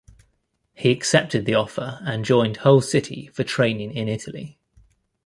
He accepted the offer and joined Hull City for training in Italy.